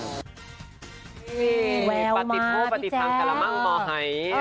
เอ๊ะแววมากพี่แจ๊โอ้ปฏิพุทรปฏิษภังจรมั่งมหาย